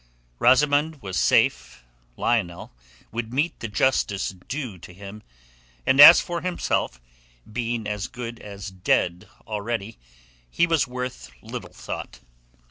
Rosamund was safe, Lionel would meet the justice due to him, and as for himself, being as good as dead already, he was worth little thought.